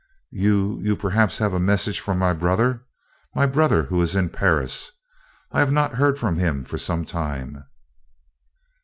"You you perhaps have a message from my brother my brother who is in Paris. I have not heard from him for some time."